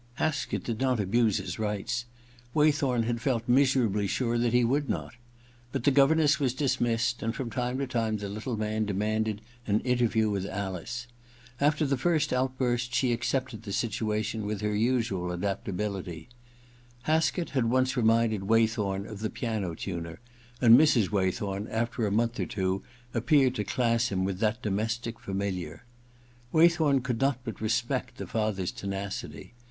Haskett did not abuse his rights. Waythorn had felt miserably sure that he would not. But the governess was dismissed, and from time to time the little man demanded an interview with Alice. After the first outburst she accepted the situation with her usual adaptab^ity. Haskett had once reminded Waythorn of^the piano tuner, and Mrs. Waythorn, after a month or two, appeared to class him with that domestic familiar. Waythorn could not but respect the father*s tenacity.